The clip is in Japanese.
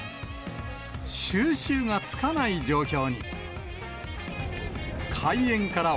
収拾がつかない状況に。